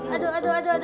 aduh aduh aduh aduh